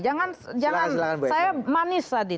jangan saya manis tadi